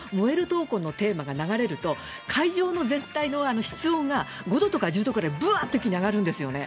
闘魂のテーマが流れると、会場の全体の室温が５度とか１０度ぐらい、ぶわーっと一気に上がるんですよね。